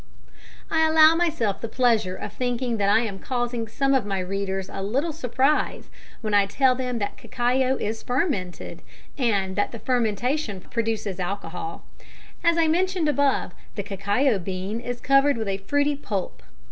_ I allow myself the pleasure of thinking that I am causing some of my readers a little surprise when I tell them that cacao is fermented, and that the fermentation produces alcohol. As I mentioned above, the cacao bean is covered with a fruity pulp.